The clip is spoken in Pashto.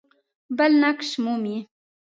بل نقش مومي.